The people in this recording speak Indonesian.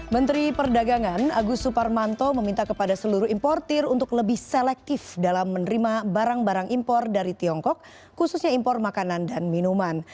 menteri perdagangan agus suparmanto meminta kepada seluruh importir untuk lebih selektif dalam menerima barang barang impor dari tiongkok khususnya impor makanan dan minuman